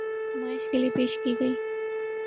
نمائش کے لیے پیش کی گئی۔